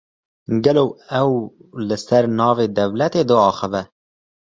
Gelo ew, li ser navê dewletê diaxife?